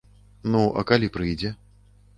Ну, а калі прыйдзе?